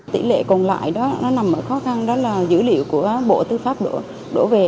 tỷ lệ còn lại đó nó nằm ở khó khăn đó là dữ liệu của bộ tư pháp đổ về